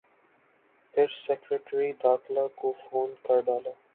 پھر سیکرٹری داخلہ کو فون کر ڈالا۔